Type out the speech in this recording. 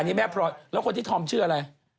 นี่แม่พลอยแล้วคนที่ทอมชื่ออะไร